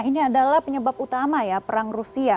ini adalah penyebab utama ya perang rusia